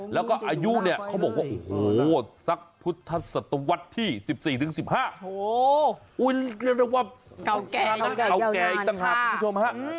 แล้วก็อายุเขาบอกว่าสักพุทธศัตวรรษที่๑๔๑๕โอ้ยเรียกว่าเก่าแก่อีกต่างครับ